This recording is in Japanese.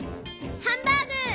ハンバーグ！